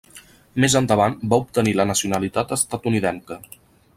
Més endavant va obtenir la nacionalitat estatunidenca.